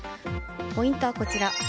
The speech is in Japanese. ポイントはこちら。